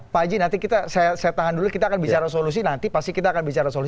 pak haji nanti saya tahan dulu kita akan bicara solusi nanti pasti kita akan bicara solusi